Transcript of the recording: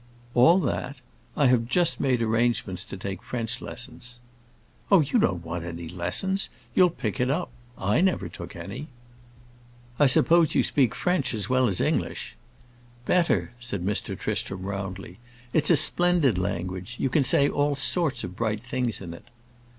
"All that? I have just made arrangements to take French lessons." "Oh, you don't want any lessons. You'll pick it up. I never took any." "I suppose you speak French as well as English?" "Better!" said Mr. Tristram, roundly. "It's a splendid language. You can say all sorts of bright things in it."